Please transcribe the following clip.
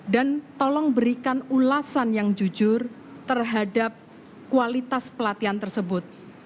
dan tolong berikan ulasan yang jujur terhadap kualitas pelatihan tersebut